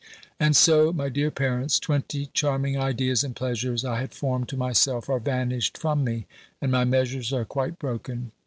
And so, my dear parents, twenty charming ideas and pleasures I had formed to myself, are vanished from me, and my measures are quite broken.